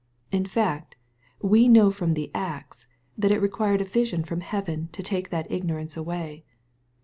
In fact, we know from the Acts, that it required a vision from heaven to take that ignorance away.